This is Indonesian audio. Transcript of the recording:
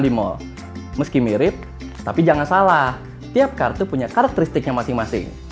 di mal meski mirip tapi jangan salah tiap kartu punya karakteristiknya masing masing